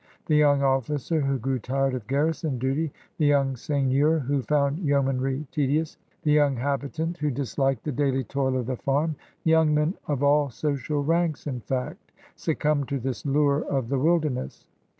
The young officer who grew tired of* garrison duty, the young seigneur who found yeomanry tedious, the young habitant who disliked the daily toil of the farm — young men of all social ranks, in fact, succumbed to this lure of the wilderness.